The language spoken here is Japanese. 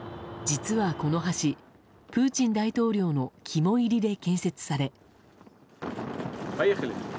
実はこの橋プーチン大統領の肝煎りで建設され。